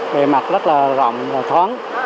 bề mặt rất là rộng và thoáng